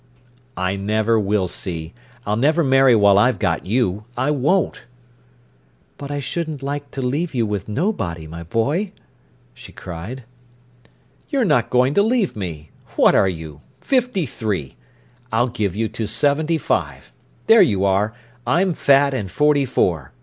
"I never will see. I'll never marry while I've got you—I won't." "But I shouldn't like to leave you with nobody, my boy," she cried. "You're not going to leave me. What are you? Fifty three! I'll give you till seventy five. There you are, I'm fat and forty four.